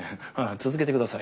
続けてください。